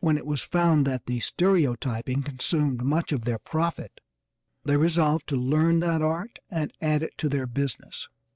When it was found that the stereotyping consumed much of their profit, they resolved to learn that art and add it to their business.